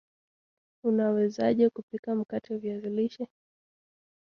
Unawezaje kupika mkate viazi lishe